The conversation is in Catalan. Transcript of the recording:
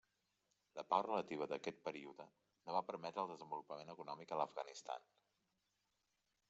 La pau relativa d'aquest període no va permetre el desenvolupament econòmic a l'Afganistan.